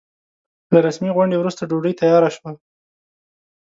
له رسمي غونډې وروسته ډوډۍ تياره شوه.